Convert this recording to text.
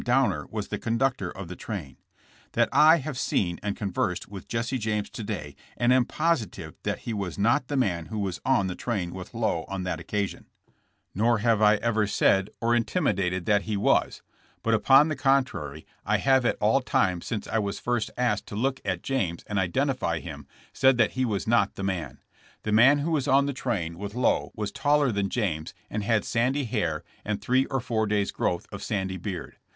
Downer was the conductor of the train; that I have seen and conversed with Jesse James today and am positive that he was not the man who was on the train with Lowe on that occasion; nor have I ever 168 JESSE JAMES. said or intimated that he was, but "upon the contrary I have at all times since I was first asked to look at James and identify him said that he was not the man. The man who was on the train with Lowe was taller than James and had sandy hair and three or four days growth of sandy beard.